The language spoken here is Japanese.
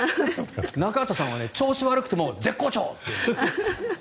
中畑さんは調子が悪くても絶好調！って言う。